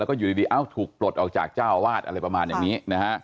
แล้วก็อยู่ดีถูกปลดออกจากเจ้าวาดอะไรประมาณอย่างนี้